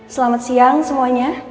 selamat siang semuanya